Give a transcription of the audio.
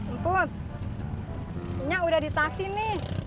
emang nya udah di taksi nih